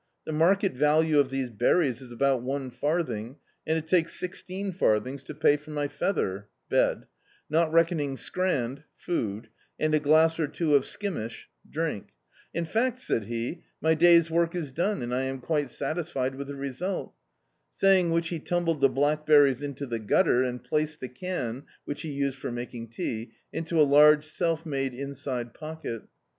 The market value of these berries is about one farthing, and it takes sixteen farthings to pay for my feather (bed) not reckoning scrand (food), and a glass or two of skim ish (drink). In fact," said he, "my day's work is done, and I am quite satisfied with the result." Saying which he tumbled the blackberries into the gutter and placed the can — which he used for mak ing tea — into a large self made inside pocket.